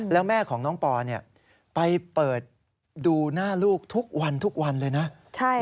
แล้วแม่ของน้องปอไปเปิดดูหน้าลูกทุกวันทุกวันเลยนะ